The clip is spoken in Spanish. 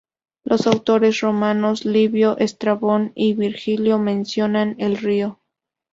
Los autores romanos Livio, Estrabón y Virgilio mencionan el río.